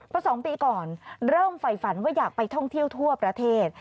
เพราะ๒ปีก่อนเริ่มไฟฝันว่าอยากไปท่องเที่ยวทั่วประเทศ